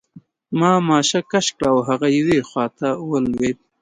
ما ماشه کش کړه او هغه یوې خواته ولوېد